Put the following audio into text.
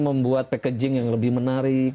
membuat packaging yang lebih menarik